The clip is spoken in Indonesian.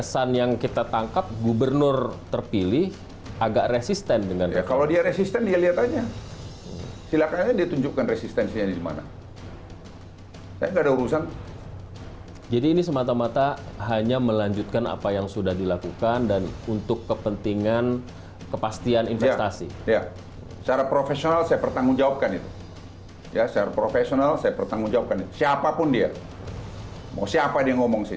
saya profesional saya bertanggung jawabkan ini siapapun dia mau siapa dia ngomong sendiri